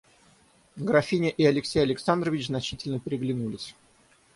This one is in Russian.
Графиня и Алексей Александрович значительно переглянулись.